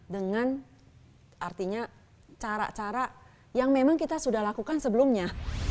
dengan artinya cara cara yang memang kita sudah lakukan sebelumnya